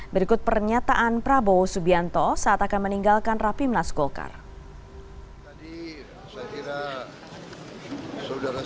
berikut pernyataan prabowo subianto saat akan meninggalkan rapimnas golkar